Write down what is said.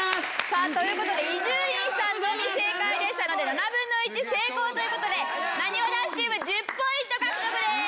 さあという事で伊集院さんのみ正解でしたので７分の１成功という事でなにわ男子チーム１０ポイント獲得です！